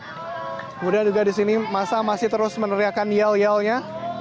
kemudian juga di sini masa masih terus meneriakan yel yelnya